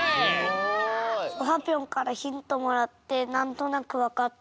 オハぴょんからヒントもらってなんとなくわかった。